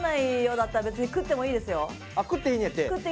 あっ食っていいんやって。